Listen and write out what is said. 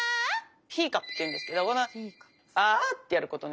ヒーカップっていうんですけどあァってやることをね